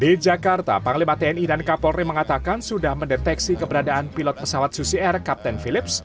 di jakarta panglima tni dan kapolri mengatakan sudah mendeteksi keberadaan pilot pesawat susi air kapten philips